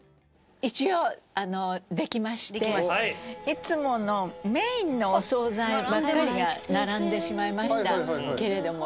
いつものメインのお総菜ばっかりが並んでしまいましたけれどもね。